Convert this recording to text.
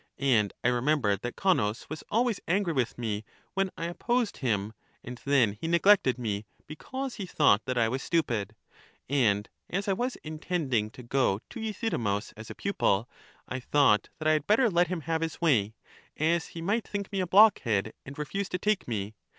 And I remembered that Con nus was always angry with me when I opposed him, and then he neglected me, because he thought that I was stupid; and as I was intending to go to Euthy demus as a pupil, I thought that I had better let him have his way, as he might think me a blockhead, and refuse to take me.